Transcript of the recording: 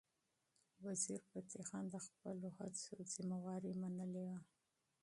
وزیرفتح خان د خپلو هڅو مسؤلیت منلی و.